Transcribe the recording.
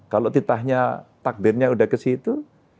kalau ditanya takdirnya udah kesitu